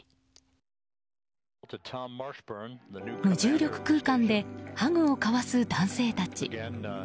無重力空間でハグを交わす男性たち。